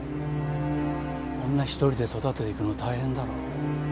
女一人で育てていくの大変だろう。